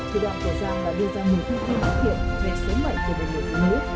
thủ đoàn của giang đã đưa ra một mươi thiết kế bán tiền về số mệnh của đồng đội ủng hộ